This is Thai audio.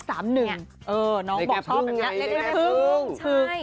เลขแม่เพิ่ง